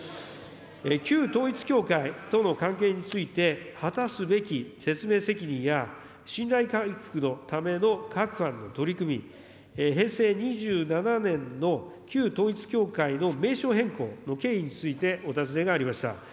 旧統一教会との関係について、果たすべき説明責任や、信頼回復のための各般の取組、平成２７年の旧統一教会の名称変更の経緯についてお尋ねがありました。